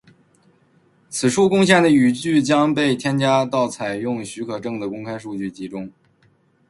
此处贡献的语句将被添加到采用许可证的公开数据集中。